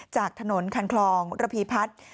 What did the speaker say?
จากถนนคันคลองระพีพัฒน์